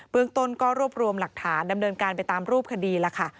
เมืองต้นก็รวบรวมหลักฐานดำเนินการไปตามรูปคดีแล้วค่ะ